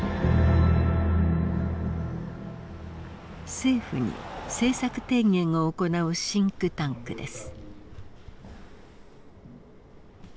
政府に政策提言を行うシンクタンクです。